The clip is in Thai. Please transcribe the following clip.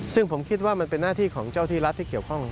ซึ่งผมคิดว่ามันเป็นหน้าที่ของเจ้าที่รัฐที่เกี่ยวข้อง